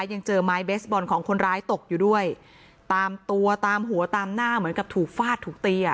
ยังเจอไม้เบสบอลของคนร้ายตกอยู่ด้วยตามตัวตามหัวตามหน้าเหมือนกับถูกฟาดถูกตีอ่ะ